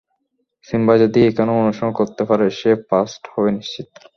Simba যদি এখানে অনুশীলন করতে পারে, সে ফাস্ট হবে নিশ্চিত!